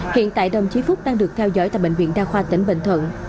hiện tại đồng chí phúc đang được theo dõi tại bệnh viện đa khoa tỉnh bình thuận